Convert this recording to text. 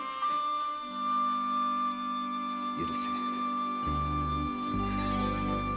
許せ。